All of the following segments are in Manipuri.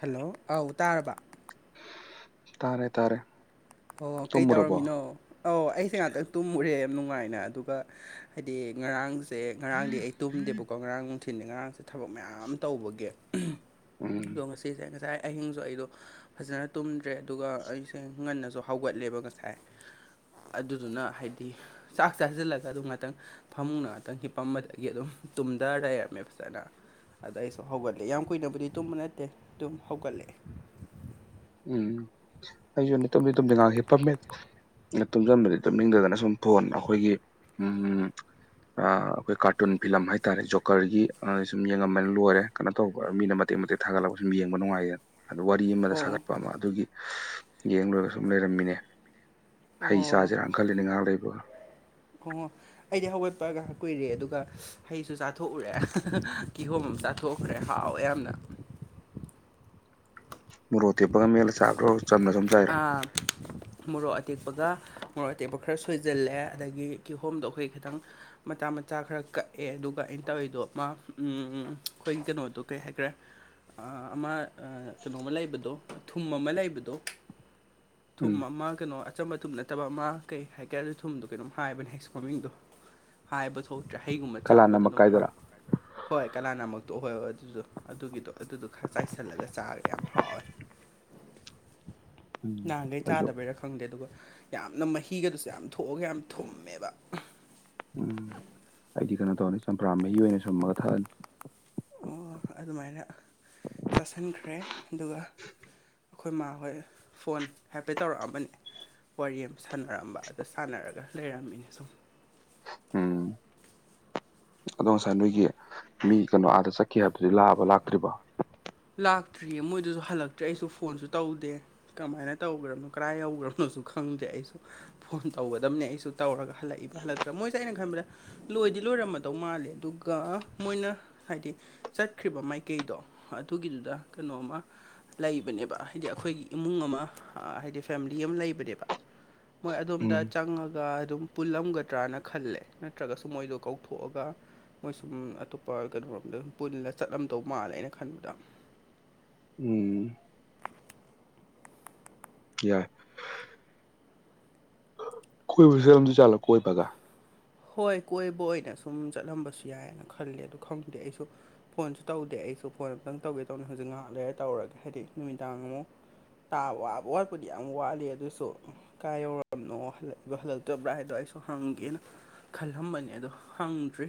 ꯍꯜꯂꯣ ꯑꯧ ꯇꯥꯔꯕ ꯇꯥꯔꯦ ꯇꯥꯔꯦ ꯑꯣ ꯀꯩ ꯇꯨꯝꯃꯨꯔꯕꯣ ꯇꯧꯔꯝꯃꯤꯅꯣ ꯑꯧ ꯑꯩꯁꯦ ꯉꯥꯛꯇꯪ ꯇꯨꯝꯃꯨꯔꯦ ꯌꯥꯝ ꯅꯨꯡꯉꯥꯏꯅ ꯑꯗꯨꯒ ꯍꯥꯏꯗꯤ ꯉꯔꯥꯡꯁꯦ ꯉꯔꯥꯡꯗꯤ ꯑꯩ ꯇꯨꯝꯗꯦꯕꯀꯣ ꯉꯔꯥꯡ ꯅꯨꯡꯊꯤꯟꯗꯤ ꯉꯔꯥꯡꯁꯦ ꯊꯕꯛ ꯃꯌꯥꯝ ꯇꯧꯕꯒꯤ [unintelligible] ꯎꯝ ꯑꯗꯣ ꯉꯁꯤꯁꯦ ꯉꯁꯥꯏ ꯑꯍꯤꯡꯁꯨ ꯑꯩꯗꯣ ꯐꯖꯅ ꯇꯨꯝꯗ꯭ꯔꯦ ꯑꯗꯨꯒ ꯑꯩꯁꯦ ꯉꯟꯅꯁꯨ ꯍꯧꯒꯠꯂꯦꯕ ꯉꯁꯥꯏ ꯑꯗꯨꯗꯨꯅ ꯍꯥꯏꯗꯤ ꯆꯥꯛ ꯆꯥꯁꯤꯜꯂꯒ ꯑꯗꯨꯝ ꯉꯥꯛꯇꯪ ꯐꯃꯨꯡꯗ ꯉꯥꯛꯇꯪ ꯍꯤꯞꯄꯝꯕꯗꯒꯤ ꯑꯗꯨꯝ ꯇꯨꯝꯗ ꯂꯩꯔꯝꯃꯦ ꯐꯖꯅ ꯑꯗ ꯑꯩꯁꯨ ꯍꯧꯒꯠꯂꯦ ꯌꯥꯝ ꯀꯨꯏꯅꯕꯨꯗꯤ ꯇꯨꯝꯕ ꯅꯠꯇꯦ ꯑꯗꯨꯨꯝ ꯍꯧꯒꯠꯂꯛꯑꯦ ꯎꯝ ꯑꯩꯁꯨꯅꯦ ꯇꯨꯝꯗꯤ ꯇꯨꯝꯗꯦ ꯉꯍꯥꯛ ꯍꯤꯞꯄꯝꯃꯦ ꯇꯨꯝꯖꯟꯕꯗꯤ ꯇꯨꯝꯅꯤꯡꯗꯗꯅ ꯁꯨꯝ ꯕꯣꯟ ꯑꯩꯈꯣꯏꯒꯤ ꯎꯝ ꯑ ꯑꯩꯈꯣꯏ ꯀꯥꯔꯇꯨꯟ ꯐꯤꯂꯝ ꯍꯥꯏꯇꯥꯔꯦ ꯖꯣꯀꯔꯒꯤ ꯁꯨꯝ ꯌꯦꯡꯉꯝꯕꯅꯦ ꯂꯣꯏꯔꯦ ꯀꯩꯅꯣ ꯇꯧꯕ ꯃꯤꯅ ꯃꯇꯦꯛ ꯃꯇꯦꯛ ꯊꯥꯒꯠꯂꯛꯄ ꯁꯨꯝ ꯌꯦꯡꯕ ꯅꯨꯡꯉꯥꯏꯌꯦꯅ ꯑꯗꯨ ꯋꯥꯔꯤ ꯑꯃꯗ ꯑꯣ ꯁꯥꯒꯠꯄ ꯑꯃ ꯑꯗꯨꯒꯤ ꯌꯦꯡꯂꯣꯏꯔ ꯁꯨꯝ ꯂꯩꯔꯝꯃꯤꯅꯦ ꯍꯩ ꯑꯣ ꯆꯖꯤꯔꯅ ꯈꯜꯂꯤꯅꯦ ꯉꯥꯏꯍꯛ ꯂꯩꯕꯒꯥ ꯑꯣ ꯑꯩꯗꯤ ꯍꯧꯒꯠꯄꯒ ꯀꯨꯏꯔꯦ ꯑꯗꯨꯒ ꯍꯩꯁꯨ ꯆꯥꯊꯣꯛꯎꯔꯦ ꯀꯤꯍꯣꯝ ꯑꯃ ꯆꯥꯊꯣꯛꯈ꯭ꯔꯦ ꯍꯥꯎꯋꯦ ꯌꯥꯝꯅ ꯃꯣꯔꯣꯛ ꯑꯊꯦꯛꯄꯒ ꯃꯦꯠꯂ ꯆꯥꯕ꯭ꯔꯣ ꯆꯝꯅ ꯁꯨꯝ ꯆꯥꯏꯔꯣ [unintelligible] ꯃꯣꯔꯣꯛ ꯑꯇꯦꯛꯄꯒ ꯃꯣꯔꯣꯛ ꯑꯇꯦꯛꯄ ꯈꯔ ꯁꯣꯏꯖꯤꯜꯂꯦ ꯑꯗꯒꯤ ꯀꯤꯍꯣꯝꯗꯣ ꯑꯩꯈꯣꯏ ꯈꯤꯇꯪ ꯃꯆꯥ ꯃꯆꯥ ꯈꯔ ꯀꯛꯑꯦ ꯑꯗꯨꯒ ꯑꯩꯅ ꯇꯧꯔꯤꯗꯣ ꯃꯥ ꯎꯝ ꯑꯩꯈꯣꯏ ꯀꯩꯅꯣꯗꯣ ꯀꯩ ꯍꯥꯏꯈ꯭ꯔꯦ ꯑ ꯑꯃ ꯀꯩꯅꯣꯝꯃ ꯂꯩꯕꯗꯣ ꯊꯨꯝ ꯑꯃ ꯂꯩꯕꯗꯣ ꯊꯨꯝ ꯎꯝ ꯑꯃ ꯀꯩꯅꯣ ꯑꯆꯝ ꯑ ꯊꯨꯝ ꯅꯠꯇꯕ ꯑꯃ ꯀꯩ ꯍꯥꯏꯀꯦꯗ ꯊꯨꯝꯗꯣ ꯀꯩꯅꯣ ꯍꯥꯏꯕꯅꯦ ꯍꯥꯏꯁ ꯃꯃꯤꯡꯗꯣ ꯍꯥꯏꯕ ꯊꯣꯛꯇ꯭ꯔꯦ ꯍꯩꯒꯨꯝꯕ ꯀꯂꯥ ꯆꯥꯕꯗ ꯅꯃꯛ ꯑꯗꯨꯝ ꯍ ꯀꯥꯏꯗꯔꯥ ꯍꯣꯏ ꯀꯂꯥꯅꯃꯛꯇꯣ ꯑꯣꯏꯍꯕ ꯑꯗꯨꯗꯣ ꯑꯗꯨꯒꯤꯗꯣ ꯑꯗꯨꯗꯣ ꯈꯔ ꯆꯥꯏꯁꯤꯜꯂꯒ ꯆꯥꯔꯒ ꯌꯥꯝ ꯍꯥꯎꯋꯦ ꯎꯝ ꯅꯍꯥꯟꯈꯩ ꯑꯩꯁꯨ ꯆꯥꯗꯕꯩꯔꯥ ꯈꯪꯗꯦ ꯑꯗꯨꯒ ꯌꯥꯝꯅ ꯃꯍꯤꯒꯗꯨꯁꯨ ꯌꯥꯝ ꯊꯣꯛꯑꯒ ꯌꯥꯝ ꯊꯨꯝꯃꯦꯕ ꯎꯝ ꯑꯩꯗꯤ ꯀꯩꯅꯣ ꯇꯧꯔꯅꯤ ꯆꯝꯄ꯭ꯔꯥ ꯃꯍꯤ ꯑꯣꯏꯅ ꯁꯨꯝꯃꯒ ꯊꯛꯑꯅꯤ ꯑꯣ ꯑꯗꯨꯃꯥꯏꯅ ꯆꯥꯁꯤꯟꯈ꯭ꯔꯦ ꯑꯗꯨꯒ ꯑꯩꯈꯣꯏ ꯃꯥ ꯍꯣꯏ ꯐꯣꯟ ꯍꯥꯏꯐꯦꯠ ꯇꯧꯔꯛꯑꯝꯕꯅꯤ ꯋꯥꯔꯤ ꯑꯃ ꯁꯥꯟꯅꯔꯝꯕ ꯑꯗ ꯁꯥꯟꯅꯔꯒ ꯂꯩꯔꯝꯃꯤꯅꯦ ꯁꯨꯝ ꯎꯝ [unintelligible] ꯑꯗꯣ ꯉꯁꯥꯏ ꯅꯣꯏꯒꯤ ꯃꯤ ꯀꯩꯅꯣ ꯑꯥꯗ ꯆꯠꯈꯤ ꯍꯥꯏꯕꯗꯨꯗꯤ ꯂꯥꯛꯑꯕ ꯂꯥꯛꯇ꯭ꯔꯤꯕꯣ ꯂꯥꯛꯇ꯭ꯔꯤꯌꯦ ꯃꯣꯏꯗꯨꯁꯨ ꯍꯜꯂꯛꯇ꯭ꯔꯦ ꯑꯩꯁꯨ ꯐꯣꯟꯁꯨ ꯇꯧꯗꯦ ꯀꯃꯥꯏꯅ ꯇꯧꯒꯔꯕꯅꯣ ꯀꯔꯥꯏ ꯌꯧꯒꯔꯕꯅꯣꯁꯨ ꯈꯪꯗꯦ ꯑꯩꯁꯨ ꯐꯣꯟ ꯇꯧꯒꯗꯕꯅꯦ ꯑꯩꯁꯨ ꯇꯧꯔꯒ ꯍꯜꯂꯛꯏꯕ ꯍꯜꯂꯛꯇ꯭ꯔꯥ ꯃꯣꯏꯁꯦ ꯑꯩꯅ ꯈꯟꯕꯗ ꯂꯣꯏꯗꯤ ꯂꯣꯏꯔꯝꯃꯗꯧ ꯃꯥꯜꯂꯦ ꯑꯗꯨꯒ ꯃꯣꯏꯅ ꯍꯥꯏꯗꯤ ꯆꯠꯈ꯭ꯔꯤꯕ ꯃꯥꯏꯀꯩꯗꯣ ꯑꯗꯨꯒꯤꯗꯨꯗ ꯀꯩꯅꯣꯝꯃ ꯂꯩꯕꯅꯦꯕ ꯍꯥꯏꯗꯤ ꯑꯩꯈꯣꯏꯒꯤ ꯏꯃꯨꯡ ꯑꯃ ꯍꯥꯏꯗꯤ ꯐꯦꯃꯤꯂꯤ ꯑꯃ ꯂꯩꯕꯅꯦꯕ ꯃꯣꯏ ꯑꯗꯣꯝꯗ ꯎꯝ ꯆꯪꯉꯒ ꯑꯗꯨꯝ ꯄꯨꯜꯂꯝꯒꯗ꯭ꯔꯅ ꯈꯜꯂꯦ ꯅꯠꯇ꯭ꯔꯒꯁꯨ ꯃꯣꯏꯗꯣ ꯀꯧꯊꯣꯛꯑꯒ ꯃꯣꯏ ꯁꯨꯝ ꯑꯇꯣꯞꯄ ꯀꯩꯅꯣꯔꯣꯝꯗ ꯁ ꯄꯨꯜꯂ ꯆꯠꯂꯝꯗꯧ ꯃꯥꯜꯂꯦ ꯑꯩꯅ ꯈꯟꯕꯗ ꯎꯝ ꯌꯥꯏ ꯀꯣꯏꯕ ꯆꯠꯂꯞꯗꯣꯢꯖꯥꯠꯂ ꯀꯣꯏꯕꯒ ꯍꯣꯏ ꯀꯣꯏꯕ ꯑꯣꯏꯅ ꯁꯨꯝ ꯆꯠꯂꯝꯕꯁꯨ ꯌꯥꯏꯑꯅ ꯈꯜꯂꯦ ꯑꯗꯨ ꯈꯪꯗꯦ ꯑꯩꯁꯨ ꯐꯣꯟꯁꯨ ꯇꯧꯗꯦ ꯑꯩꯁꯨ ꯐꯣꯟ ꯑꯝꯇꯪ ꯇꯧꯒꯦ ꯇꯧꯅꯤꯅ ꯍꯧꯖꯤꯛ ꯉꯥꯏꯍꯥꯛ ꯂꯩꯔ ꯇꯧꯔꯒꯦ ꯍꯥꯏꯗꯤ ꯅꯨꯃꯤꯗꯥꯡ ꯑꯃꯨꯛ ꯇꯥ ꯋꯥꯕ ꯋꯥꯠꯄꯨꯗꯤ ꯌꯥꯝ ꯋꯥꯠꯂꯤ ꯑꯗꯨꯁꯨ ꯀꯥꯏ ꯌꯧꯔꯕꯅꯣ ꯍꯂꯛꯏꯕꯣ ꯍꯜꯂꯛꯇꯣꯏꯕ꯭ꯔꯥ ꯍꯥꯏꯗꯣ ꯑꯩꯁꯨ ꯍꯪꯒꯦꯅ ꯈꯜꯂꯝꯕꯅꯦ ꯑꯗꯣ ꯍꯪꯗ꯭ꯔꯤ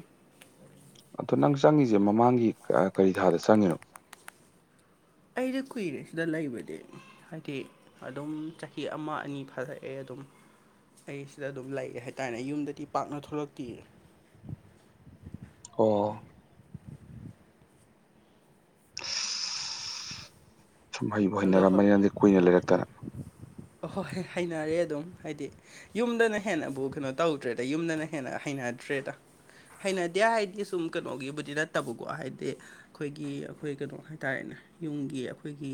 ꯑꯗꯣ ꯅꯪ ꯆꯪꯉꯁꯦ ꯃꯃꯥꯡꯒꯤ ꯀꯔꯤ ꯊꯥꯗ ꯆꯪꯉꯤꯅꯣ ꯑꯩꯗꯤ ꯀꯨꯏꯔꯦ ꯁꯤꯗ ꯂꯩꯕꯗꯤ ꯍꯥꯏꯗꯤ ꯑꯗꯨꯝ ꯆꯍꯤ ꯑꯃ ꯑꯅꯤ ꯐꯔꯛꯑꯦ ꯑꯗꯨꯝ ꯑꯩ ꯁꯤꯗ ꯑꯗꯨꯝ ꯂꯩꯔ ꯍꯥꯏꯇꯥꯔꯦꯅꯦ ꯌꯨꯝꯗꯗꯤ ꯄꯥꯛꯅ ꯊꯣꯛꯂꯛꯇꯦꯌꯦ ꯑꯣ ꯁꯨꯝ ꯍꯩꯕꯨ ꯑꯗꯣ ꯍꯩꯅꯔꯝꯕꯅꯤꯅꯗꯤ ꯀꯨꯏꯅ ꯂꯩꯔꯛꯇꯅ ꯑꯍꯣꯏ ꯍꯩꯅꯔꯦ ꯑꯗꯨꯝ ꯍꯥꯏꯗꯤ ꯌꯨꯝꯗꯅ ꯍꯦꯟꯅꯕꯨ ꯀꯩꯅꯣ ꯇꯧꯗ꯭ꯔꯦꯗ ꯌꯨꯝꯗꯅ ꯍꯦꯟꯅ ꯍꯩꯅꯗ꯭ꯔꯦꯗ ꯍꯩꯅꯗꯦ ꯍꯥꯏꯗꯤ ꯁꯨꯝ ꯀꯩꯅꯣꯒꯤꯕꯨꯗꯤ ꯅꯠꯇꯕꯀꯣ ꯍꯥꯏꯗꯤ ꯑꯩꯈꯣꯏꯒꯤ ꯑꯩꯈꯣꯏ ꯀꯩꯅꯣ ꯍꯥꯏꯇꯥꯔꯦꯅꯦ ꯌꯨꯝꯒꯤ ꯑꯩꯈꯣꯏꯒꯤ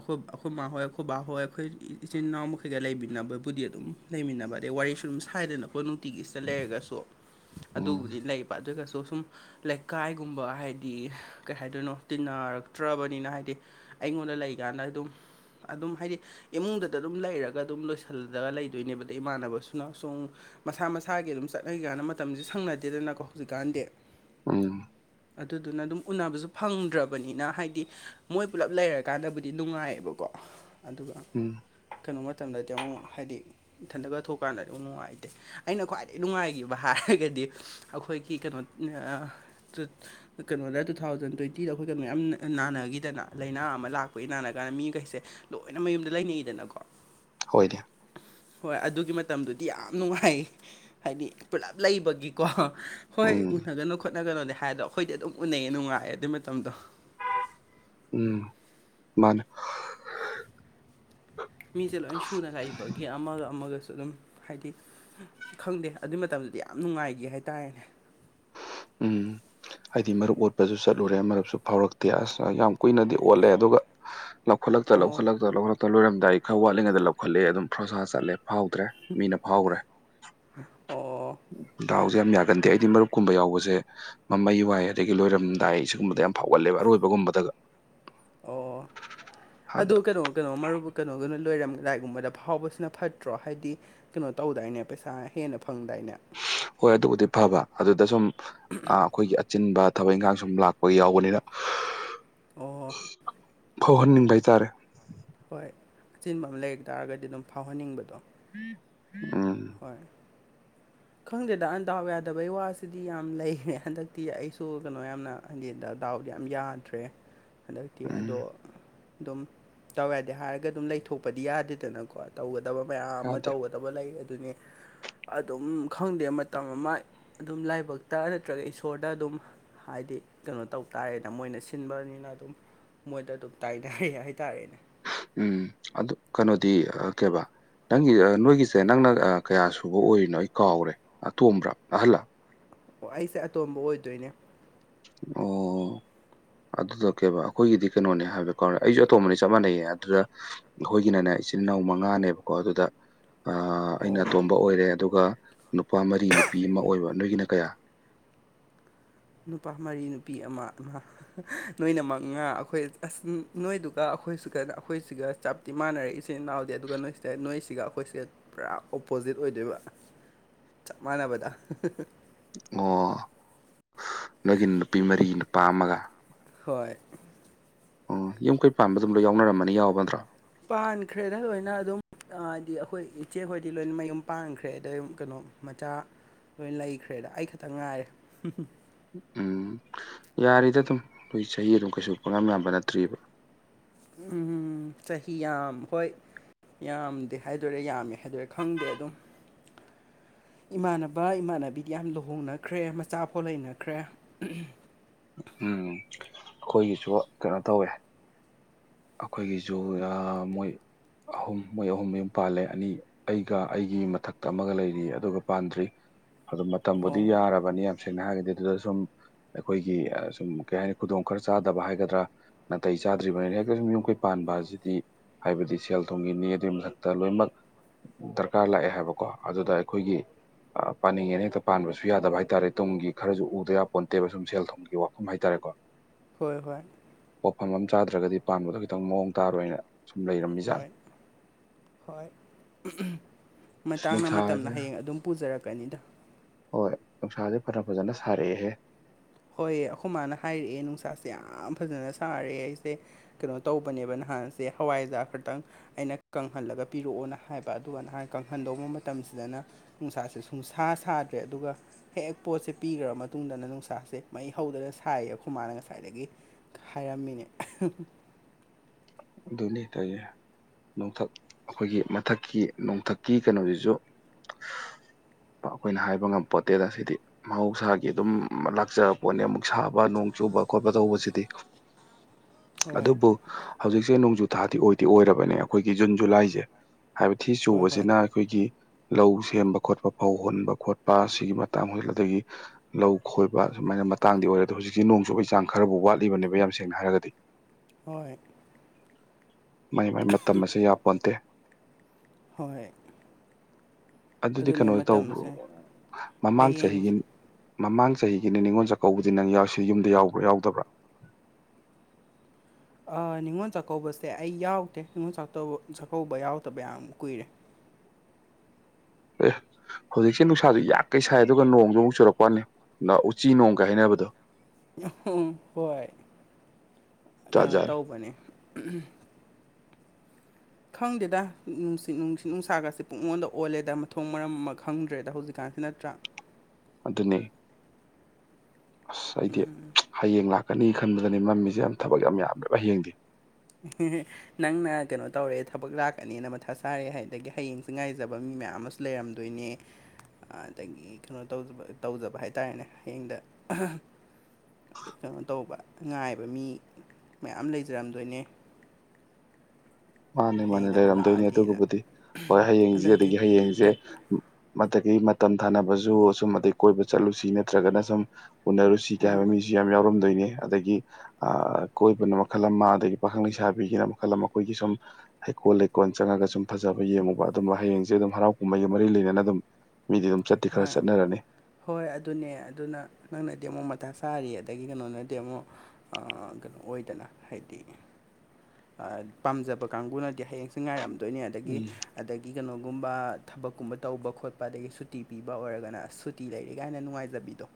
ꯑꯈꯣꯏꯈꯣꯏ ꯃꯍꯈꯣꯏ ꯍꯣ ꯑꯩꯈꯣꯏ ꯏꯆꯤꯟ ꯏꯅꯥꯎ ꯃꯈꯩꯒ ꯂꯩꯃꯤꯟꯅꯕꯕꯨꯗꯤ ꯑꯗꯨꯝ ꯂꯩꯃꯤꯟꯅꯕ ꯑꯗꯩ ꯋꯥꯔꯤꯁꯨ ꯑꯗꯨꯝ ꯁꯥꯏꯗꯅꯀꯈꯣ ꯅꯨꯡꯇꯤꯒꯤꯁꯤꯇ ꯂꯩꯔꯒꯁꯨ ꯎꯝ ꯑꯗꯨꯕꯨꯗꯤ ꯂꯩꯕ ꯑꯗꯨꯒꯁꯨ ꯁꯨꯝ ꯂꯩꯀꯥꯏꯒꯨꯝꯕ ꯍꯥꯏꯗꯤ ꯀꯩ ꯍꯥꯏꯗꯣꯏꯅꯣ ꯇꯤꯟꯅꯔꯛꯇ꯭ꯔꯕꯅꯤꯅ ꯍꯥꯏꯗꯤ ꯑꯩꯉꯣꯟꯗ ꯂꯩꯀꯥꯟꯗ ꯑꯗꯨꯝ ꯑꯗꯨꯝ ꯍꯥꯏꯗꯤ ꯏꯃꯨꯡꯗ ꯑꯗꯨꯝ ꯂꯩꯔꯒ ꯑꯗꯨꯝ ꯂꯣꯏꯁꯤꯜꯂꯂꯒ ꯂꯩꯗꯣꯏꯅꯦꯕꯗ ꯏꯃꯥꯟꯅꯕꯁꯨꯅ ꯁꯨꯝ ꯃꯁꯥ ꯃꯁꯥꯒꯤ ꯑꯗꯨꯝ ꯆꯠꯅꯩ ꯀꯥꯟꯅ ꯃꯇꯝꯁꯦ ꯁꯪꯅꯗꯦꯗꯅꯀꯣ ꯍꯧꯖꯤꯛꯀꯥꯟꯗꯤ ꯎꯝ ꯑꯗꯨꯗꯨꯅ ꯑꯗꯨꯝ ꯎꯅꯕꯁꯨ ꯐꯪꯗ꯭ꯔꯕꯅꯤꯅ ꯍꯥꯏꯗꯤ ꯃꯣꯏ ꯄꯨꯂꯞ ꯂꯩꯔꯀꯥꯟꯗꯕꯨꯗꯤ ꯅꯨꯡꯉꯥꯏꯌꯦꯕꯀꯣ ꯑꯗꯨꯒ ꯎꯝ ꯀꯩꯅꯣ ꯃꯇꯝꯗꯗꯤ ꯑꯃꯨꯛ ꯍꯥꯏꯗꯤ ꯏꯊꯟꯗꯒ ꯊꯣꯛꯀꯥꯟꯗ ꯑꯗꯨꯝ ꯅꯨꯡꯉꯥꯏꯇꯦ ꯑꯩꯅ ꯈ꯭ꯋꯥꯏꯗꯒꯤ ꯅꯨꯡꯉꯥꯏꯈꯤꯕ ꯍꯥꯏꯔꯒꯗꯤ ꯑꯩꯈꯣꯏꯒꯤ ꯀꯩꯅꯣ ꯀꯩꯅꯣꯗ ꯇꯨ ꯊꯥꯎꯖꯟ ꯇ꯭ꯋꯦꯟꯇꯤꯗ ꯑꯩꯈꯣꯏꯒꯤ ꯃꯌꯥꯝ ꯅꯥꯟꯅꯈꯤꯗꯅ ꯂꯥꯏꯅꯥ ꯑꯃ ꯂꯥꯛꯄꯒꯤ ꯅꯥꯟꯅ ꯀꯥꯟꯗ ꯃꯤꯈꯩꯁꯦ ꯂꯣꯏꯅ ꯃꯌꯨꯝꯗ ꯂꯩꯅꯩꯗꯅꯀꯣ ꯍꯣꯏꯗ ꯍꯣꯏ ꯑꯗꯨꯒꯤ ꯃꯇꯝꯗꯨꯗꯤ ꯌꯥꯝ ꯅꯨꯡꯉꯥꯏ ꯍꯥꯏꯗꯤ ꯄꯨꯂꯞ ꯂꯩꯕꯒꯤꯀꯣ ꯍꯣꯏ ꯎꯝ ꯎꯅꯒꯅꯣ ꯈꯣꯠꯅꯒꯅꯣꯗꯤ ꯍꯥꯏꯗꯣ ꯑꯩꯈꯣꯏꯗꯤ ꯑꯗꯨꯝ ꯎꯅꯩꯌꯦ ꯅꯨꯡꯉꯥꯏꯌꯦ ꯑꯗꯨꯏ ꯃꯇꯝꯗꯣ ꯎꯝ ꯃꯥꯅꯦ ꯃꯤꯁꯦ ꯂꯣꯏ ꯁꯨꯅ ꯂꯩꯏꯕꯒꯤ ꯑꯃꯒ ꯑꯃꯒꯁꯨ ꯑꯗꯨꯝ ꯍꯥꯏꯗꯤ ꯈꯪꯗꯦ ꯑꯗꯨꯏ ꯃꯇꯝꯗꯨꯗꯤ ꯌꯥꯝ ꯅꯨꯡꯉꯥꯏꯈꯤ ꯍꯥꯏꯇꯥꯔꯦꯅꯦ [inaudible] ꯍꯥꯏꯗꯤ ꯃꯔꯨꯞ ꯑꯣꯠꯄꯁꯨ ꯆꯠꯂꯨꯔꯦ ꯃꯔꯨꯞꯁꯨ ꯐꯥꯎꯔꯛꯇꯦ ꯑꯁ ꯌꯥꯝ ꯀꯨꯏꯅꯗꯤ ꯑꯣꯠꯂꯦ ꯑꯗꯨꯒ ꯂꯧꯈꯠꯂꯛꯇ ꯑꯣ ꯂꯧꯈꯠꯂꯛꯇ ꯂꯧꯈꯠꯂꯛꯇ ꯂꯣꯏꯔꯝꯗꯥꯏ ꯈꯔ ꯋꯥꯠꯂꯤꯉꯩꯗ ꯂꯧꯈꯠꯂꯦ ꯑꯗꯨꯝ ꯐ꯭ꯔꯣꯁꯥ ꯆꯠꯂꯦ ꯐꯥꯎꯗ꯭ꯔꯦ ꯃꯤꯅ ꯐꯥꯎꯈ꯭ꯔꯦ ꯑꯣ ꯗꯥꯥꯎꯁꯦ ꯌꯥꯝ ꯌꯥꯒꯟꯗꯦ ꯑꯩꯗꯤ ꯃꯔꯨꯞ ꯀꯨꯝꯕ ꯌꯥꯎꯕꯁꯦ ꯃꯃꯩ ꯋꯥꯏ ꯑꯗꯒꯤ ꯂꯣꯏꯔꯝꯗꯥꯏ ꯁꯤꯒꯨꯝꯕꯗ ꯌꯥꯝ ꯐꯥꯎꯒꯠꯂꯦꯕ ꯑꯔꯣꯏꯕꯒꯨꯝꯕꯗꯒ ꯑꯣ ꯑꯗ ꯑꯗꯨ ꯀꯩꯅꯣ ꯀꯩꯅꯣ ꯃꯔꯨꯞ ꯀꯩꯅꯣꯒꯤꯅ ꯂꯣꯏꯔꯝꯗꯥꯏꯒꯨꯝꯕꯗ ꯐꯥꯎꯕꯁꯤꯅ ꯐꯠꯇ꯭ꯔꯣ ꯍꯥꯏꯗꯤ ꯀꯩꯅꯣ ꯇꯧꯗꯥꯏꯅꯦ ꯄꯩꯁꯥ ꯍꯦꯟꯅ ꯐꯪꯗꯥꯏꯅꯦ ꯍꯣꯏ ꯑꯗꯨꯕꯨꯗꯤ ꯐꯕ ꯑꯗꯨꯗ ꯁꯨꯝ ꯑꯩꯈꯣꯏꯒꯤ ꯆꯤꯟꯕ ꯊꯕꯛ ꯏꯪꯈꯥꯡ ꯁꯨꯝ ꯂꯥꯛꯄ ꯌꯥꯎꯕꯅꯤꯅ ꯑꯣ ꯐꯧꯎꯍꯟꯅꯤꯡꯕ ꯍꯥꯏꯇꯥꯔꯦ ꯍꯣꯏ ꯑꯆꯤꯟꯕ ꯑꯃ ꯂꯩ ꯇꯥꯔꯒꯗꯤ ꯑꯗꯨꯝ ꯐꯥꯎꯍꯟꯅꯤꯡꯕꯗꯣ ꯑ ꯍꯣꯏ ꯈꯪꯗꯦꯗ ꯑꯟꯗꯥꯎ ꯌꯥꯗꯕꯩ ꯋꯥꯁꯤꯗꯤ ꯌꯥꯝ ꯂꯩꯔꯦ ꯍꯟꯗꯛꯇꯤ ꯑꯩꯁꯨ ꯀꯩꯅꯣ ꯌꯥꯝꯅ ꯈꯪꯗꯦꯗ ꯗꯥꯎꯗꯤ ꯌꯥꯝ ꯌꯥꯗ꯭ꯔꯦ ꯍꯟꯗꯛꯇꯤ ꯑꯗꯣ ꯎꯝ ꯑꯗꯨꯝ ꯗꯥꯎ ꯌꯥꯗꯦ ꯍꯥꯏꯔꯒ ꯑꯗꯨꯝ ꯂꯩꯊꯣꯛꯄꯗꯤ ꯌꯥꯗꯦꯗꯅꯀꯣ ꯇꯧꯒꯗꯕ ꯃꯌꯥꯝ ꯑꯃ ꯌꯥꯗꯦ ꯇꯧꯒꯗꯕ ꯂꯩ ꯑꯗꯨꯅꯤ ꯑꯗꯨꯝ ꯈꯪꯗꯦ ꯃꯇꯝ ꯑꯃ ꯑꯗꯨꯝ ꯂꯥꯏꯕꯛꯇ ꯅꯠꯇ꯭ꯔꯒ ꯏꯁꯣꯔꯗ ꯑꯗꯨꯝ ꯍꯥꯏꯗꯤ ꯀꯩꯅꯣ ꯇꯧ ꯇꯥꯔꯦꯗ ꯃꯣꯏꯅ ꯁꯤꯟꯕꯅꯤꯅ ꯑꯗꯨꯝ ꯃꯣꯏꯗ ꯑꯗꯨꯝ ꯇꯥꯏꯅꯔꯦ ꯍꯥꯏꯇꯥꯔꯦꯅꯦ ꯎꯝ ꯑꯗꯨ ꯀꯩꯅꯣꯗꯤ ꯀꯩꯕꯥ ꯅꯪꯒꯤ ꯅꯣꯏꯒꯤꯁꯦ ꯅꯪꯅ ꯀꯌꯥ ꯁꯨꯕ ꯑꯣꯏꯔꯤꯅꯣ ꯑꯩ ꯀꯥꯎꯔꯦ ꯑꯇꯣꯝꯕ꯭ꯔꯥ ꯑꯍꯜꯂ ꯑꯣ ꯑꯩꯁꯦ ꯑꯇꯣꯝꯕ ꯑꯣꯏꯗꯣꯏꯅꯦ ꯑꯣ ꯑꯗꯨꯗ ꯀꯩꯕ ꯑꯩꯈꯣꯏꯒꯤꯗꯤ ꯀꯩꯅꯣꯅꯦ ꯍꯥꯏꯕ ꯀꯥꯎꯔꯦ ꯑꯩꯁꯨ ꯑꯇꯣꯝꯕꯅꯤ ꯆꯞ ꯃꯥꯟꯅꯩꯌꯦ ꯑꯗꯨꯗ ꯑꯩꯈꯣꯏꯒꯤꯅꯅꯦ ꯏꯆꯤꯜ ꯏꯅꯥꯎ ꯃꯉꯥꯅꯦꯕꯀꯣ ꯑꯗꯨꯗ ꯑꯩꯅ ꯑꯣ ꯑꯇꯣꯝꯕ ꯑꯣꯏꯔꯦ ꯑꯗꯨꯒ ꯅꯨꯄꯥ ꯃꯔꯤ ꯅꯨꯄꯤ ꯑꯃ ꯑꯣꯏꯕ ꯅꯣꯏꯒꯤꯅ ꯀꯌꯥ ꯅꯨꯄꯥ ꯃꯔꯤ ꯅꯨꯄꯤ ꯑꯃ ꯑꯃ ꯅꯣꯏꯅ ꯃꯉꯥ ꯑꯩꯈꯣꯏꯅ ꯑꯁ ꯅꯣꯏꯗꯨꯒ ꯑꯩꯈꯣꯏ ꯑꯩꯈꯣꯏꯁꯤꯒ ꯆꯞꯇꯤ ꯃꯥꯟꯅꯔꯦ ꯏꯆꯤꯟ ꯏꯅꯥꯎꯗꯤ ꯑꯗꯨꯒ ꯅꯣꯏꯁꯤꯗ ꯅꯣꯏꯁꯤꯒ ꯑꯩꯈꯣꯏꯁꯤꯒ ꯄꯨꯔꯥ ꯑꯣꯄꯣꯖꯤꯠ ꯑꯣꯏꯗꯣꯏꯕ ꯆꯞ ꯃꯥꯅꯕꯗꯥꯥ ꯑꯣ ꯅꯣꯏꯒꯤꯅ ꯅꯨꯄꯤ ꯃꯔꯤ ꯅꯨꯄꯥ ꯑꯃꯒ ꯍꯣꯏ ꯑꯣ ꯌꯨꯝ ꯀꯩ ꯄꯥꯟꯕꯝꯁꯨ ꯑꯗꯨꯝ ꯌꯥꯎꯅꯔꯝꯃꯅꯤ ꯌꯥꯎꯕ ꯅꯠꯇꯔꯣ ꯄꯥꯟꯈ꯭ꯔꯦꯗ ꯂꯣꯏꯅ ꯑꯗꯨꯝ ꯍꯥꯏꯗꯤ ꯑꯩꯈꯣꯏ ꯏꯆꯦꯍꯣꯏꯗꯤ ꯂꯣꯏꯅ ꯃꯌꯨꯝ ꯄꯥꯟꯈ꯭ꯔꯦ ꯑꯗꯩ ꯀꯩꯅꯣ ꯃꯆꯥ ꯂꯣꯏ ꯂꯩꯈ꯭ꯔꯦꯗ ꯑꯩ ꯈꯛꯇꯪ ꯉꯥꯏꯔꯦ ꯎꯝ ꯌꯥꯔꯤꯗ ꯑꯗꯨꯝ ꯑꯩꯈꯣꯏ ꯆꯍꯤ ꯑꯗꯨꯝ ꯀꯩꯁꯨ ꯄꯪꯌꯥꯝ ꯌꯥꯝꯕ ꯅꯠꯇ꯭ꯔꯤꯕ ꯎꯝꯝ ꯆꯍꯤ ꯌꯥꯝ ꯍꯣꯏ ꯌꯥꯝꯗꯦ ꯍꯥꯏꯗꯔꯦ ꯌꯥꯝꯃꯦ ꯍꯥꯏꯗꯔꯦ ꯈꯪꯗꯦ ꯑꯗꯨꯝ ꯏꯃꯥꯟꯅꯕ ꯏꯃꯥꯟꯅꯕꯤꯗꯤ ꯌꯥꯝ ꯂꯨꯍꯣꯡꯅꯈ꯭ꯔꯦ ꯃꯆꯥꯐꯥꯎ ꯂꯩꯅꯈ꯭ꯔꯦ ꯎꯝ ꯑꯩꯈꯣꯏꯒꯤꯁꯨ ꯀꯩꯅꯣ ꯇꯧꯋꯦ ꯑꯩꯈꯣꯏꯒꯤꯁꯨ ꯃꯣꯏ ꯑꯍꯨꯝ ꯃꯣꯏ ꯑꯍꯨꯝ ꯃꯨꯝ ꯄꯥꯜꯂꯦ ꯑꯅꯤ ꯑꯩꯒ ꯑꯩꯒꯤ ꯃꯊꯛꯇ ꯑꯃꯒ ꯂꯩꯔꯤ ꯑꯗꯨꯒ ꯄꯥꯟꯗ꯭ꯔꯤ ꯑꯗꯨ ꯑꯣ ꯃꯇꯝꯕꯨꯗꯤ ꯌꯥꯔꯕꯅꯤ ꯌꯥꯝ ꯁꯦꯡꯅ ꯍꯥꯏꯔꯒꯗꯤ ꯑꯗꯨꯗ ꯁꯨꯝ ꯑꯩꯈꯣꯏꯒꯤ ꯁꯨꯝ ꯀꯩ ꯍꯥꯏꯅꯤ ꯈꯨꯗꯣꯡ ꯈꯔ ꯆꯥꯗꯕ ꯍꯥꯏꯒꯗ꯭ꯔꯥ ꯅꯥꯇꯩ ꯆꯥꯗ꯭ꯔꯤꯕꯅꯤꯅ ꯍꯦꯛ ꯌꯨꯝꯈꯩ ꯄꯥꯟꯕ ꯑꯁꯤꯗꯤ ꯍꯥꯏꯕꯗꯤ ꯁꯦꯜ ꯊꯨꯝꯒꯤꯅꯤ ꯑꯗꯨꯒꯤ ꯃꯊꯛꯇ ꯂꯣꯏꯅꯃꯛ ꯗꯔꯀꯥꯔ ꯂꯥꯛꯑꯦ ꯍꯥꯏꯕꯀꯣ ꯑꯗꯨꯗ ꯑꯩꯈꯣꯏꯒꯤ ꯄꯥꯟꯅꯤꯡꯉꯦꯅ ꯍꯦꯛꯇ ꯄꯥꯟꯕꯁꯨ ꯌꯥꯗꯕ ꯍꯥꯏꯇꯥꯔꯦ ꯇꯨꯡꯒꯤ ꯈꯔꯁꯨ ꯎꯗꯕ ꯌꯥꯄꯣꯟꯇꯦꯕ ꯁꯨꯝ ꯁꯦꯜ ꯊꯨꯝꯒꯤ ꯋꯥꯐꯝ ꯍꯥꯏꯇꯥꯔꯦꯀꯣ ꯍꯣꯏ ꯍꯣꯏ ꯄꯣꯠꯐꯝ ꯑꯃ ꯆꯥꯗ꯭ꯔꯒꯗꯤ ꯄꯥꯟꯕꯗꯣ ꯈꯤꯇꯪ ꯃꯑꯣꯡ ꯇꯥꯔꯣꯏꯅ ꯁꯨꯝ ꯂꯩꯔꯝꯃꯦ ꯍꯣꯏ ꯍꯣꯏ ꯃꯇꯥꯡꯅ ꯃꯇꯝꯅ ꯅꯨꯡꯁꯥꯁꯦ ꯍꯌꯦꯡ ꯑꯗꯨꯝ ꯄꯨꯖꯔꯛꯀꯅꯤꯗ ꯍꯣꯏ ꯅꯨꯡꯁꯥꯁꯦ ꯐꯖꯅ ꯐꯖꯅ ꯁꯥꯔꯛꯑꯦꯍꯦ ꯍꯣꯏ ꯑꯩꯈꯣꯏ ꯃꯥꯅ ꯍꯥꯏꯔꯛꯑꯦ ꯅꯨꯡꯁꯥꯁꯦ ꯌꯥꯝ ꯐꯖꯅ ꯁꯥꯔꯦ ꯑꯩꯁꯦ ꯀꯩꯅꯣ ꯇꯧꯕꯅꯦꯕ ꯅꯍꯥꯟꯁꯦ ꯍꯋꯥꯏꯖꯥꯥꯛ ꯈꯛꯇꯪ ꯑꯩꯅ ꯀꯪꯍꯜꯂꯒ ꯄꯤꯔꯛꯑꯣꯅ ꯍꯥꯏꯕ ꯑꯗꯨꯒ ꯅꯍꯥꯟ ꯀꯪꯍꯟꯗꯧꯕ ꯃꯇꯝꯁꯤꯗꯅ ꯅꯨꯡꯁꯥꯁꯦ ꯁꯨꯡꯁꯥ ꯁꯥꯗ꯭ꯔꯦ ꯑꯗꯨꯒ ꯍꯦꯛꯦꯛ ꯄꯣꯠꯁꯦ ꯄꯤꯈ꯭ꯔ ꯃꯇꯨꯡꯗꯅ ꯅꯨꯡꯁꯥꯁꯦ ꯁꯦ ꯃꯩ ꯍꯧꯗꯅ ꯁꯥꯏꯌꯦ ꯑꯩꯈꯣꯏ ꯃꯥꯅ ꯉꯁꯥꯏꯗꯒꯤ ꯍꯥꯏꯔꯝꯃꯤꯅꯦ ꯅꯤ ꯇꯏ ꯅꯣꯡꯊꯛ ꯑꯩꯈꯣꯏꯒꯤ ꯃꯊꯛꯀꯤ ꯅꯣꯡꯊꯛꯀꯤ ꯀꯩꯅꯣꯁꯤꯁꯨ ꯑꯩꯈꯣꯏꯅ ꯍꯥꯏꯕ ꯉꯝꯕꯄꯣꯠꯇꯦꯗ ꯑꯁꯤꯗꯤ ꯃꯍꯧꯁꯥꯒꯤ ꯑꯗꯨꯝ ꯂꯥꯛꯆꯔꯛꯄꯣꯠꯅꯤ ꯑꯃꯨꯛ ꯁꯥꯕ ꯅꯣꯡ ꯆꯨꯕ ꯈꯣꯠꯄ ꯇꯧꯕꯁꯤꯗꯤ [unintelligible] ꯑꯗꯨꯕꯨ ꯍꯧꯖꯤꯛꯁꯦ ꯅꯣꯡꯖꯨ ꯊꯥꯗꯤ ꯑꯣꯏꯗꯤ ꯑꯣꯏꯔꯕꯅꯦ ꯑꯩꯈꯣꯏꯒꯤ ꯖꯨꯟ ꯖꯨꯂꯥꯏꯁꯦ ꯍꯥꯏꯕꯗꯤ ꯊꯤ ꯍꯣꯏ ꯍꯣꯏ ꯆꯨꯕꯁꯤꯅ ꯑꯩꯈꯣꯏꯒꯤ ꯂꯧ ꯁꯦꯝꯕ ꯈꯣꯠꯄ ꯐꯧ ꯍꯨꯟꯕ ꯈꯣꯠꯄ ꯁꯤꯒꯤ ꯃꯇꯥꯡ ꯍꯖꯤ ꯑꯗꯒꯤ ꯂꯧ ꯈꯣꯏꯕ ꯁꯨꯃꯥꯏꯅ ꯃꯇꯥꯡꯗꯤ ꯑꯣꯏꯔꯦ ꯑꯗꯣ ꯍꯧꯖꯤꯛꯁꯁꯤ ꯅꯣꯡ ꯆꯨꯕꯒꯤ ꯆꯥꯡ ꯈꯔꯕꯨ ꯋꯥꯠꯂꯤꯕꯅꯦꯕ ꯌꯥꯝ ꯁꯦꯡꯅ ꯍꯥꯏꯔꯒꯗꯤ ꯍꯣꯏ ꯃꯥꯏ ꯃꯥꯏ ꯃꯇꯝ ꯑꯁꯤ ꯌꯥꯝ ꯄꯣꯟꯇꯦ ꯍꯣꯏ ꯑꯗꯨꯗꯤ ꯑꯗꯨꯅꯦ ꯀꯩꯅꯣ ꯇꯧꯕ꯭ꯔꯣ ꯃꯇꯝꯁꯦ ꯃꯃꯥꯡ ꯍꯌꯦꯡ ꯆꯍꯤꯒꯤ ꯃꯃꯥꯡ ꯆꯍꯤꯒꯤꯅꯦ ꯅꯤꯡꯅꯤꯉꯣꯜ ꯆꯥꯛꯀꯧꯕꯗꯤ ꯅꯪ ꯌꯥꯎꯁꯤ ꯌꯨꯝꯗ ꯌꯥꯎꯕ꯭ꯔ ꯌꯥꯎꯗꯕ꯭ꯔꯥ ꯑ ꯅꯤꯉꯣꯜ ꯆꯥꯛꯀꯧꯕꯁꯦ ꯑꯩ ꯌꯥꯎꯗꯦ ꯅꯤꯉꯣꯜ ꯆꯥꯇꯧꯕ ꯆꯥꯛꯀꯧꯕ ꯌꯥꯎꯗꯕ ꯌꯥꯝ ꯀꯨꯏꯔꯦ ꯑꯦ ꯍꯧꯖꯤꯛꯁꯦ ꯅꯨꯡꯁꯥꯖꯨ ꯌꯥꯛꯀꯩ ꯁꯥꯏ ꯑꯗꯨꯒ ꯅꯣꯡꯖꯨ ꯑꯃꯨꯛ ꯆꯨꯔꯛꯄ꯭ꯋꯥꯅꯦ ꯅ ꯎꯆꯤ ꯅꯣꯡꯒ ꯍꯥꯏꯅꯕꯗꯣ ꯍꯣꯏ ꯖꯥꯠ ꯀꯩꯅꯣ ꯖꯥꯠꯅꯤ ꯇꯧꯕꯅꯦ ꯈꯪꯗꯦꯗ ꯅꯨꯡꯁꯤꯠ ꯅꯨꯡꯁꯤꯠ ꯅꯨꯡꯁꯥꯒꯁꯤꯦ ꯄꯨꯛꯉꯣꯟꯗ ꯑꯣꯜꯂꯦꯗ ꯃꯊꯣꯡ ꯃꯔꯝ ꯑꯃ ꯈꯪꯗ꯭ꯔꯦꯗ ꯍꯧꯖꯤꯛꯀꯥꯟ ꯅꯠꯇ꯭ꯔꯥ ꯑꯗꯨꯅꯦ ꯑꯁ ꯑꯩꯗꯤ ꯎꯝ [unintelligible] ꯍꯌꯦꯡ ꯂꯥꯛꯀꯅꯤ ꯈꯟꯕꯗꯅꯤ ꯃꯝꯃꯤꯖꯦ ꯌꯥꯝ ꯊꯕꯛ ꯌꯥꯝ ꯌꯥꯝꯃꯦꯕ ꯍꯌꯦꯡꯗꯤ [unintelligible] ꯅꯪꯅ ꯀꯩꯅꯣ ꯇꯧꯔꯦ ꯊꯕꯛ ꯂꯥꯛꯀꯅꯦꯅ ꯃꯊꯥ ꯆꯥꯔꯦ ꯍꯥꯏꯗꯒꯤ ꯍꯌꯦꯡꯖꯦ ꯉꯥꯏꯖꯕ ꯃꯤ ꯃꯌꯥꯝ ꯑꯃꯁꯨ ꯂꯩꯔꯝꯗꯣꯏꯅꯦ ꯑꯗꯒꯤ ꯀꯩꯅꯣ ꯇꯧꯖꯕ ꯇꯧꯖꯕ ꯍꯥꯏꯇꯥꯥꯔꯦꯅꯦ ꯍꯌꯦꯡꯗ [unintelligible] ꯀꯩꯅꯣ ꯇꯧꯕ ꯉꯥꯏꯕ ꯃꯤ ꯃꯌꯥꯝ ꯂꯩꯖꯔꯝꯗꯣꯏꯅꯦ ꯃꯥꯅꯦ ꯃꯥꯅꯦ ꯍꯌꯦꯡꯗꯕꯨ ꯂꯩꯔꯝꯗꯣꯏꯅꯦ ꯂꯥꯛꯑꯗꯤꯅ ꯑꯗꯨꯒꯕꯨꯗꯤ ꯍꯣꯏ ꯍꯌꯦꯡꯖꯦ ꯑꯗꯒꯤ ꯍꯌꯦꯡꯖꯦ ꯃꯗꯒꯤ ꯃꯇꯝ ꯊꯥꯅꯕꯁꯖꯨ ꯁꯨꯝ ꯑꯗꯩ ꯀꯣꯏꯕ ꯆꯠꯂꯨꯁꯤ ꯅꯠꯇ꯭ꯔꯒꯅ ꯁꯨꯝ ꯎꯅꯔꯨꯁꯤ ꯀ ꯍꯥꯏꯕ ꯃꯤꯁꯤ ꯌꯥꯝ ꯌꯥꯎꯔꯝꯗꯣꯏꯅꯦ ꯑꯗꯒꯤ ꯑ ꯀꯣꯏꯕꯅ ꯃꯈꯜ ꯑꯃ ꯑꯗꯒꯤ ꯄꯥꯈꯪ ꯂꯩꯁꯥꯕꯤꯒꯤꯅ ꯃꯈꯜ ꯑꯃ ꯑꯩꯈꯣꯏꯒꯤ ꯁꯨꯝ ꯍꯩꯀꯣꯜ ꯂꯩꯀꯣꯜ ꯆꯪꯉꯒ ꯁꯨꯝ ꯐꯖꯕ ꯌꯦꯡꯉꯨꯕ ꯑꯗꯨꯝꯕ ꯍꯌꯦꯡꯖꯦ ꯑꯗꯨꯝ ꯍꯔꯥꯎ ꯀꯨꯝꯃꯩꯒ ꯃꯔꯤ ꯂꯩꯅꯅ ꯑꯗꯨꯝ ꯃꯤꯗꯤ ꯑꯗꯨꯝ ꯆꯠꯇꯤ ꯈꯔ ꯍꯣꯏ ꯆꯠꯅꯔꯅꯤ ꯍꯣꯏ ꯑꯗꯨꯅꯦ ꯑꯗꯨꯅ ꯅꯪꯅꯗꯤ ꯑꯃꯨꯛ ꯃꯊꯥ ꯁꯥꯥꯔꯤ ꯑꯗꯒꯤ ꯀꯩꯅꯣꯅꯗꯤ ꯑꯃꯨꯛ ꯑꯥ ꯀꯩꯅꯣ ꯑꯣꯏꯗꯅ ꯍꯥꯏꯗꯤ ꯑ ꯄꯥꯝꯖꯕ ꯀꯥꯡꯕꯨꯅꯗꯤ ꯍꯌꯦꯡꯁꯦ ꯉꯥꯏꯔꯝꯗꯣꯏꯅꯦ ꯑꯗꯒꯤ ꯎꯝ ꯑꯗꯒꯤ ꯀꯩꯅꯣꯒꯨꯝꯕ ꯊꯕꯛꯀꯨꯝꯕ ꯇꯧꯕ ꯈꯣꯠꯄ ꯑꯗꯒꯤ ꯁꯨꯇꯤ ꯄꯤꯕ ꯑꯣꯏꯔꯒꯅ ꯑꯁꯨꯠ ꯇꯤ ꯂꯩꯔꯦ ꯒꯥꯏꯅ ꯅꯨꯡꯉꯥꯏꯖꯕꯤꯗꯣ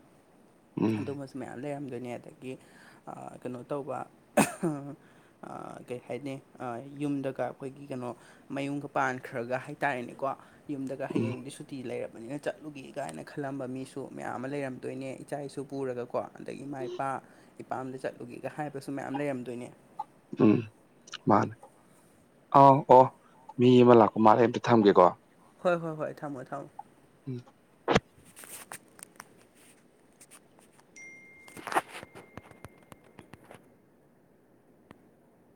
ꯎꯝ ꯑꯗꯨꯝꯕꯖꯨ ꯃꯌꯥꯝ ꯂꯩꯔꯝꯗꯣꯏꯅꯦ ꯑꯗꯒꯤ ꯑ ꯀꯩꯅꯣ ꯇꯧꯕ [unintelligible] ꯑ ꯀꯩ ꯍꯥꯏꯅꯤ ꯑ ꯌꯨꯝꯗꯒ ꯑꯩꯈꯣꯏꯒꯤ ꯀꯩꯅꯣ ꯃꯌꯨꯝꯒ ꯄꯥꯟꯈ꯭ꯔꯒ ꯍꯥꯏꯇꯥꯔꯦꯅꯦꯀꯣ ꯌꯨꯝꯗꯒ ꯎꯝ ꯍꯌꯦꯡꯗꯤ ꯁꯨ ꯇꯤ ꯂꯩꯔꯕꯅꯤꯅ ꯆꯠꯂꯨꯒꯦ ꯒꯥꯏꯅ ꯈꯜꯂꯝꯕ ꯃꯤꯁꯨ ꯃꯌꯥꯝꯃ ꯂꯩꯔꯝꯗꯣꯏꯅꯦ ꯏꯆꯥ ꯏꯁꯨ ꯄꯨꯔꯒꯀꯣ ꯑꯗꯒꯤ ꯏꯃꯥ ꯏꯄꯥ ꯏꯄꯥꯝꯗ ꯆꯠꯂꯨꯒꯦꯒ ꯍꯥꯏꯕꯁꯨ ꯃꯌꯥꯝ ꯂꯩꯔꯝꯗꯣꯏꯅꯦ ꯎꯝ ꯃꯥꯅꯦ ꯑꯥꯎ ꯑꯣ ꯃꯤ ꯑꯃ ꯂꯥꯛꯄ ꯃꯥꯜꯂꯦ ꯑꯝꯇ ꯊꯝꯒꯦꯀꯣ ꯍꯣꯏ ꯍꯣꯏ ꯍꯣꯏ ꯊꯝꯃꯣ ꯊꯝꯃꯣ ꯎꯝ